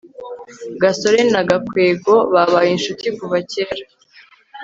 gasore na gakwego babaye inshuti kuva kera